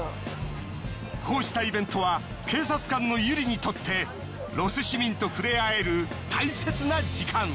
こうしたイベントは警察官のＹＵＲＩにとってロス市民とふれあえる大切な時間。